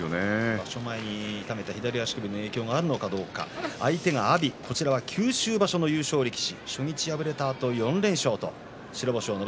場所前に痛めた左足首の影響もあるのか対する阿炎は九州場所の優勝力士。